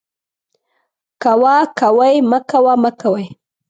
کوه ، کوئ ، مکوه ، مکوئ